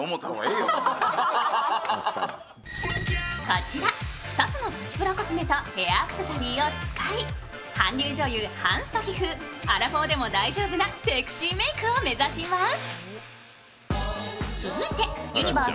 こちら２つのプチプラコスメとヘアアクセサリーを使い、韓流女優ハン・ソヒ風アラフォーでも大丈夫なセクシーメークを目指します。